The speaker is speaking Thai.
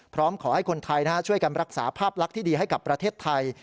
พร้อมขอให้คนไทยช่วยกันรักษาภาพลักษณ์ที่ดีให้กับประเทศไทย